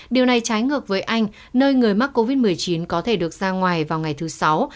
điều này trái ngược với anh nơi người mắc covid một mươi chín có thể được ra ngoài vào ngày thứ sáu